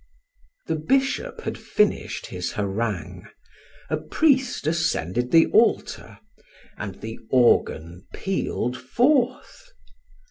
The bishop had finished his harangue, a priest ascended the altar, and the organ pealed forth.